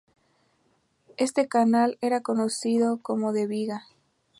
Este canal era conocido como de la Viga.